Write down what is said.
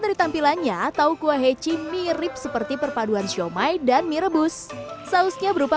dari tampilannya tau kuah heci mirip seperti perpaduan siomay dan mie rebus sausnya berupa